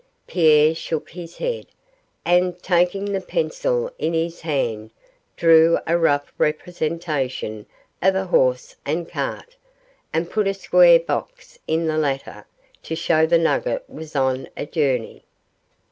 Pierre shook his head, and, taking the pencil in his hand, drew a rough representation of a horse and cart, and put a square box in the latter to show the nugget was on a journey.